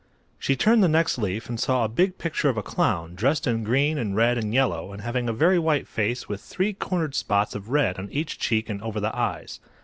She turned the next leaf, and saw a big picture of a clown, dressed in green and red and yellow, and having a very white face with three cornered spots of red on each cheek and over the eyes.